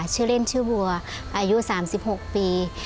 ชื่อเล่นชื่อวัวอายุ๓๖ปี